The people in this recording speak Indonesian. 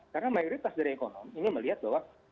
karena mayoritas dari ekonomi ini melihat bahwa